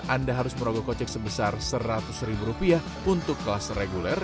anda harus merogoh kocek sebesar seratus ribu rupiah untuk kelas reguler